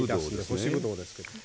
干しぶどうですけど。